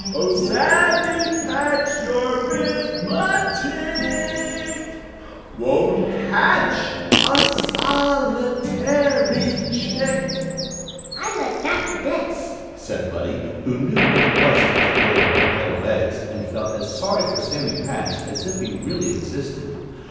Oh, Sammy Patch, your 'rithmetic Won't hatch a solitary chick." "I like that the best," said Buddie, who knew what it was to tip over a pail of eggs, and felt as sorry for Sammy Patch as if he really existed.